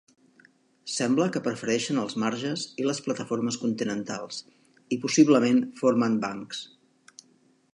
Sembla que prefereixen els marges i les plataformes continentals, i possiblement formen bancs.